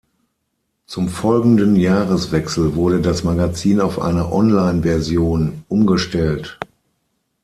Zum folgenden Jahreswechsel wurde das Magazin auf eine Online-Version umgestellt.